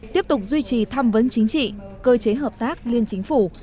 tiếp tục duy trì thăm vấn chính trị cơ chế hợp tác liên chính phủ